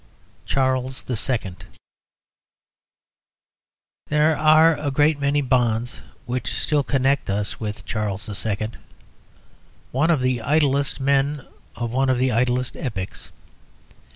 CHARLES II There are a great many bonds which still connect us with Charles II., one of the idlest men of one of the idlest epochs.